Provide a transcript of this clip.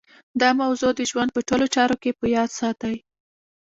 دا موضوع د ژوند په ټولو چارو کې په ياد ساتئ.